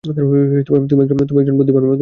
তুমি একজন বুদ্ধিমান মানুষ।